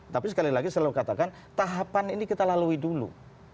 tapi sekali lagi selalu katakan tahapan ini kita lalui dulu